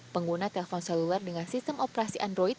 pengguna telpon seluler dengan sistem operasi android